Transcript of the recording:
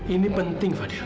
ini penting fadil